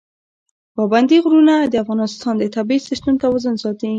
پابندی غرونه د افغانستان د طبعي سیسټم توازن ساتي.